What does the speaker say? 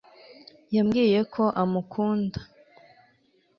Yamubwiye ko amukunda